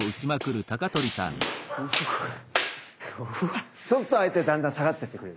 そうすると相手だんだん下がってってくれるから。